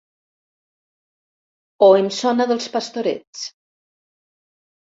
O em sona dels Pastorets?